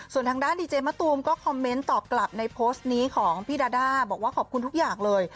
ส่วนทางด้านดีเจมะตูมก็คอมเมนต์ตอบกลับในโพสต์นี้ของพี่ดาด้าบอกว่าขอบคุณทุกอย่างเลย